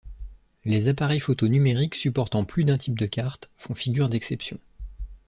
Les appareils photo numériques supportant plus d'un type de carte font figure d'exceptions.